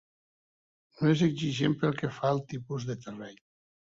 No és exigent pel que fa al tipus de terreny.